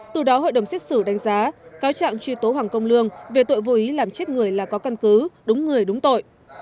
từ đó hội đồng xét xử đánh giá cáo trạng truy tố hoàng công lương về tội vô ý làm chết người là có căn cứ đúng người đúng tội